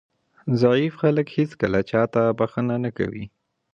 ضعیف خلک هېڅکله هم چاته بښنه نه کوي.